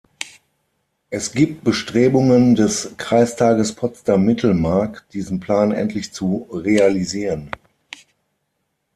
Es gibt Bestrebungen des Kreistages Potsdam-Mittelmark, diesen Plan endlich zu realisieren.